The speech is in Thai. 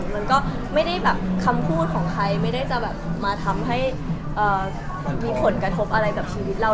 มันก็ไม่ได้แบบคำพูดของใครไม่ได้จะแบบมาทำให้มีผลกระทบอะไรกับชีวิตเรา